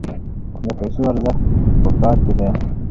د پیسو ارزښت په کار کې دی.